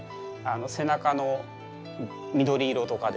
背中の緑色とかですね